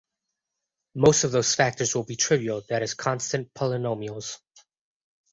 Most of those factors will be trivial, that is constant polynomials.